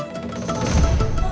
nih aku tidur